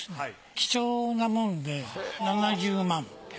貴重なもので７０万。